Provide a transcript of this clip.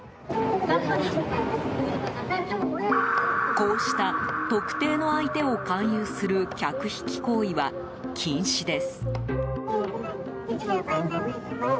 こうした特定の相手を勧誘する客引き行為は禁止です。